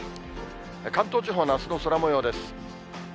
関東地方のあすの空もようです。